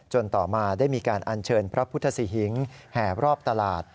ต่อมาได้มีการอัญเชิญพระพุทธศรีหิงแห่รอบตลาด